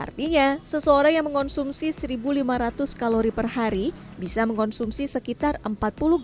artinya seseorang yang mengonsumsi satu lima ratus kalori per hari bisa mengonsumsi sekitar empat puluh